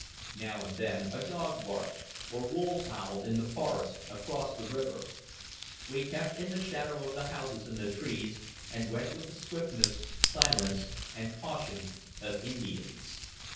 Now and then a dog barked, or wolves howled in the forest across the river. We kept in the shadow of the houses and the trees, and went with the swiftness, silence, and caution of Indians.